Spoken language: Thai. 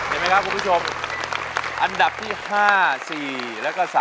เสียหน้ากลัวก่อน